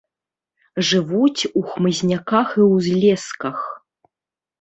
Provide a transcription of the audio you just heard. Жывуць у хмызняках і ўзлесках.